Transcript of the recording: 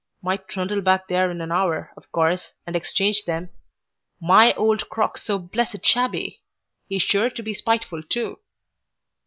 "Might trundle back there in an hour, of course, and exchange them. MY old crock's so blessed shabby. He's sure to be spiteful too.